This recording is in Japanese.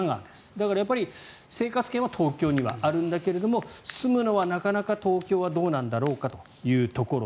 だから、生活圏は東京にはあるんだけども住むのは、なかなか東京はどうなんだろうかというところ。